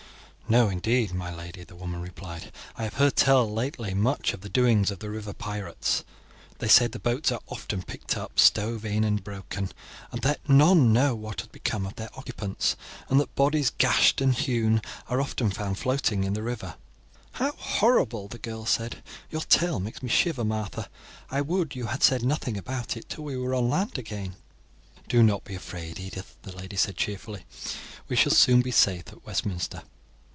"No, indeed, my lady," the woman replied; "I have heard tell lately much of the doings of the river pirates. They say that boats are often picked up stove in and broken, and that none know what had become of their occupants, and that bodies, gashed and hewn, are often found floating in the river. "How horrible," the girl said; "your tale makes me shiver, Martha; I would you had said nothing about it till we were on land again. "Do not be afraid, Edith," the lady said cheerfully; "we shall soon be safe at Westminster."